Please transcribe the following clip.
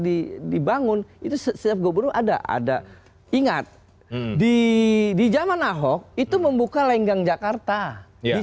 dibangun itu setiap gubernur ada ada ingat di di zaman ahok itu membuka lenggang jakarta di